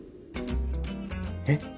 えっ？